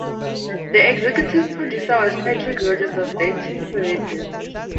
The executive producer was Patrick Rodgers of Dancing Ferret Discs.